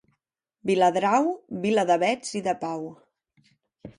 Viladrau, vila d'avets i de pau.